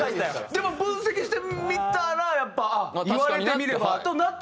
でも分析してみたらやっぱあっ言われてみればと納得はできる？